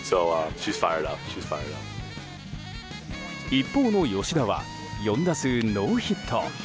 一方の吉田は４打数ノーヒット。